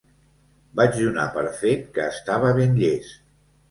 Vaig donar per fet que estava ben llest